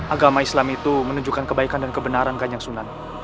agama islam itu menunjukkan kebaikan dan kebenaran ganjang sunan